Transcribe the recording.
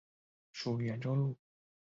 属袁州路。